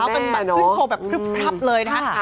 ขึ้นโชว์แบบพรึบเลยนะครับ